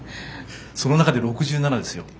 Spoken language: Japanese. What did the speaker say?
その中で６７ですよ。